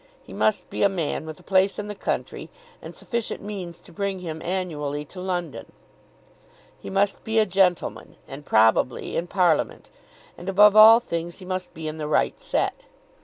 He must be a man with a place in the country and sufficient means to bring him annually to London. He must be a gentleman, and, probably, in parliament. And above all things he must be in the right set.